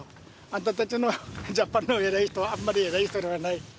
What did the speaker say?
あんたたちのジャパンの偉い人はあまり偉い人ではない。